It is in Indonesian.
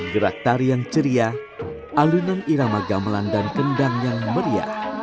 gerak tari yang ceria alunan irama gamelan dan kendang yang meriah